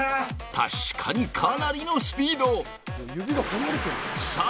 確かにかなりのスピード